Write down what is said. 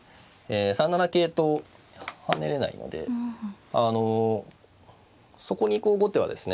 ３七桂と跳ねれないのでそこに後手はですね